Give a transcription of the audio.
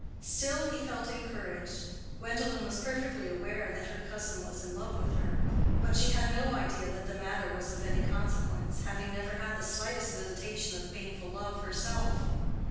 Still he felt encouraged. Gwendolen was perfectly aware that her cousin was in love with her; but she had no idea that the matter was of any consequence, having never had the slightest visitation of painful love herself.